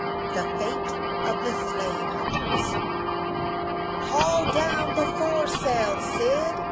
THE FATE OF THE SLAVE HUNTERS. "Haul down the foresail, Cyd!"